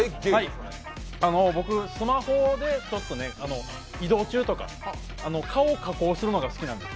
僕、スマホで移動中とか顔を加工するのが好きなんです。